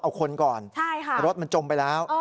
เอาคนก่อนรถมันจมไปแล้ว